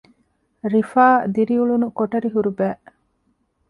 ރިފާ ދިރިއުޅުނު ކޮޓަރި ހުރި ބައި